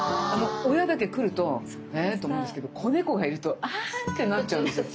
親だけ来ると「え」って思うんですけど子猫がいると「あ」ってなっちゃうんですよ